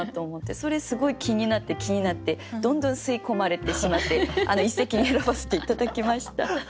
それすごい気になって気になってどんどん吸い込まれてしまって一席に選ばせて頂きました。